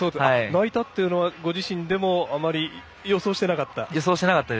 泣いたっていうのはご自身でもあまり予想してなかったですね。